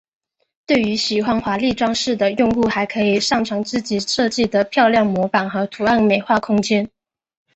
对于喜欢华丽装饰的用户还可以上传自己设计的漂亮模板和图片美化空间。